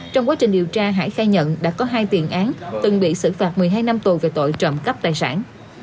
trong quá trình điều tra hải khai nhận đã có hai tiền án từng bị xử phạt một mươi hai năm tù về tội trộm cắp tài sản